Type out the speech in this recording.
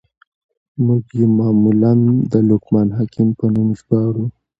موږ ئې معمولاً د لقمان حکيم په نوم ژباړو.